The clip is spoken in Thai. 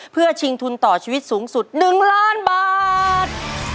เพื่อชิงทุนต่อชีวิตสูงสุด๑ล้านบาท